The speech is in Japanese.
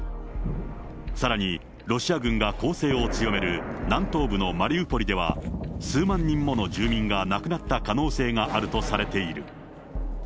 さらにロシア軍が攻勢を強める南東部のマリウポリでは、数万人もの住民が亡くなった可能性があるとされている。